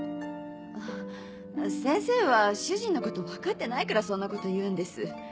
あぁ先生は主人のこと分かってないからそんなこと言うんです。